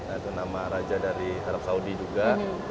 nah itu nama raja dari arab saudi juga